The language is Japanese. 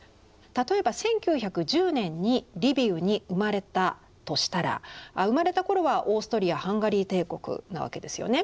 例えば１９１０年にリビウに生まれたとしたら生まれた頃はオーストリア＝ハンガリー帝国なわけですよね。